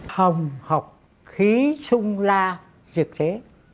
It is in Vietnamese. hồng học khí sung la dược thế